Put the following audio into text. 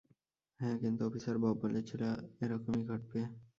হ্যাঁ, কিন্তু officer Bob বলেছিল এরকমই ঘটবে।